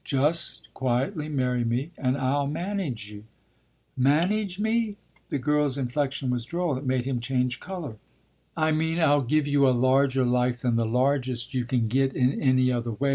Just quietly marry me and I'll manage you." "'Manage' me?" The girl's inflexion was droll; it made him change colour. "I mean I'll give you a larger life than the largest you can get in any other way.